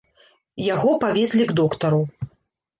Яго павезлі к доктару.